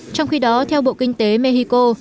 trong khi đó theo bộ kinh tế mexico